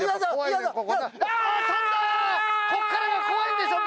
こっからが怖いんでしょ？